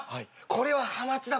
これはハマチだ。